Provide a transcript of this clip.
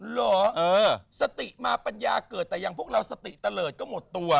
เหรอสติมาปัญญาเกิดแต่อย่างพวกเราสติเตลิศก็หมดตัว